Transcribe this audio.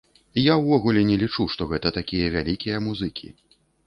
Я ўвогуле не лічу, што гэта такія вялікія музыкі.